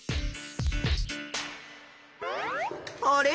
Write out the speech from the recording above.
あれ？